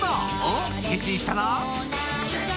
おっ決心したな？